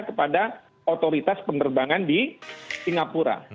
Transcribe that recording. kepada otoritas penerbangan di singapura